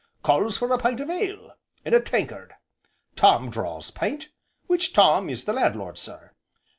Calls for a pint of ale in a tankard. Tom draws pint which Tom is the landlord, sir.